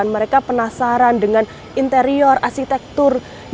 mereka penasaran dengan interior arsitektur